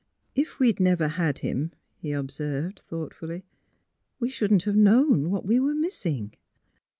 '' If we 'd never had him, '' he observed, thought fully, " we shouldn't have known what we were missing."